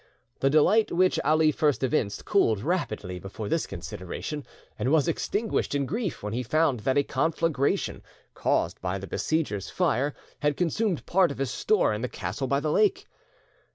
The delight which Ali first evinced cooled rapidly before this consideration, and was extinguished in grief when he found that a conflagration, caused by the besiegers' fire, had consumed part of his store in the castle by the lake.